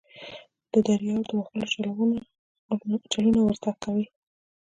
د دریاوو د وهلو چلونه ور زده کوي.